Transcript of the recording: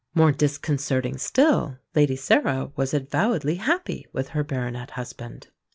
More disconcerting still, Lady Sarah was avowedly happy with her baronet husband.